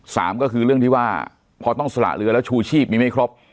สามก็คือเรื่องที่ว่าพอต้องสละเรือแล้วชูชีพนี้ไม่ครบ